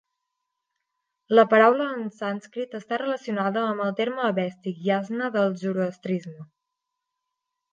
La paraula en sànscrit està relacionada amb el terme avèstic yasna del zoroastrisme.